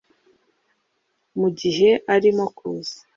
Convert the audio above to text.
mugihe arimo kuza